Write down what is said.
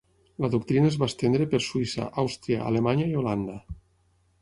La doctrina es va estendre per Suïssa, Àustria, Alemanya i Holanda.